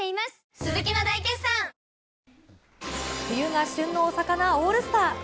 冬が旬のお魚オールスター。